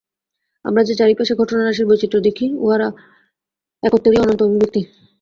আমরা যে চারি পাশে ঘটনারাশির বৈচিত্র্য দেখি, উহারা একত্বেরই অনন্ত অভিব্যক্তি।